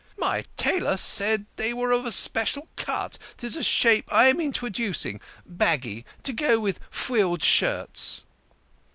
" My tailor said they were of a special cut 'tis a shape I am introducing, baggy to go with frilled shirts."